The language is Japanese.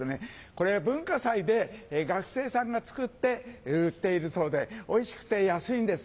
これ文化祭で学生さんが作って売っているそうでおいしくて安いんです。